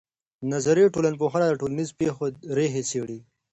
نظري ټولنپوهنه د ټولنیزو پېښو ریښې څېړي.